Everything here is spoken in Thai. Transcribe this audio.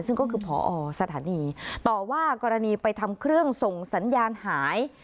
ซึ่งก็คือพอสถานีต่อว่ากรณีไปทำเครื่องส่งสัญญาณหาย